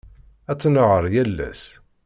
Ad tnehheṛ yal ass.